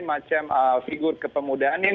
macam figur kepemudaan yang